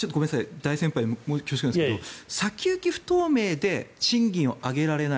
大先輩に恐縮なんですけど先行き不透明で賃金を上げられない